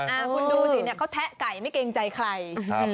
ขนดูจริงก็แทะไก่ไม่เกรงใจใคร